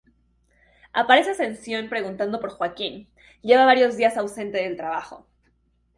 Aparece Ascensión preguntando por Joaquín, lleva varios días ausente del trabajo.